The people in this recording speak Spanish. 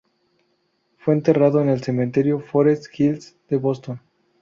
Fue enterrado en el Cementerio Forest Hills de Boston.